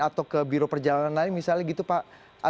atau ke biro perjalanan lain misalnya gitu pak